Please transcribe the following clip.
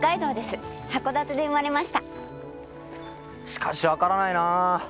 しかしわからないなぁ。